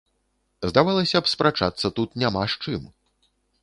Здавалася б, спрачацца тут няма з чым.